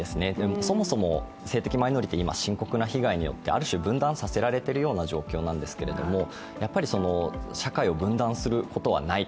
そもそも性的マイノリティー、深刻な被害によってある種、分断させられているような状況なんですけれども、社会を分断することはないと。